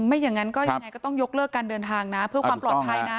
ไม่อย่างนั้นก็ยังไงก็ต้องยกเลิกการเดินทางนะเพื่อความปลอดภัยนะ